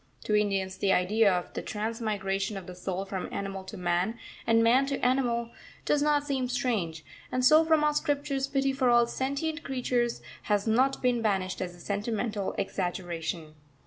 To Indians the idea of the transmigration of the soul from animal to man, and man to animal, does not seem strange, and so from our scriptures pity for all sentient creatures has not been banished as a sentimental exaggeration.